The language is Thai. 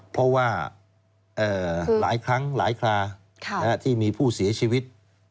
เพราะว่าหลายครั้งหลายคราที่มีผู้เสียชีวิต